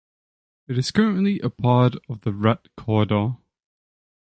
It is currently a part of the Red Corridor.